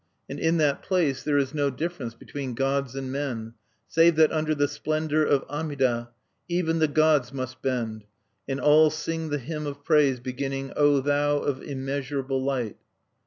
"And in that place there is no difference between gods and men, save that under the splendor of Amida even the gods must bend; and all sing the hymn of praise beginning, '_O Thou of Immeasurable Light!